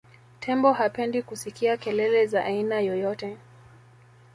tembo hapendi kusikia kelele za aina yoyote